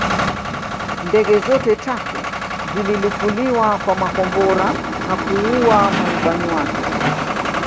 Ndege zote tatu zililipuliwa kwa makombora na kuua marubani wake